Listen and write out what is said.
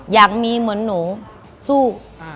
อยากมีเหมือนหนูสู้